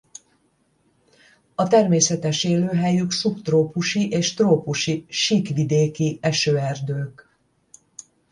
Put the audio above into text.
A természetes élőhelyük szubtrópusi és trópusi síkvidéki esőerdők.